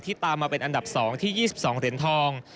ตามมาเป็นอันดับ๒ที่๒๒เหรียญทอง